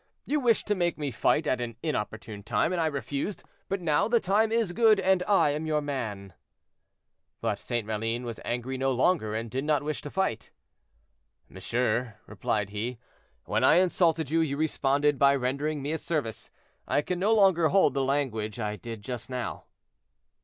You wished to make me fight at an inopportune time, and I refused; but now the time is good and I am your man." But St. Maline was angry no longer, and did not wish to fight. "Monsieur," replied he, "when I insulted you, you responded by rendering me a service. I can no longer hold the language I did just now."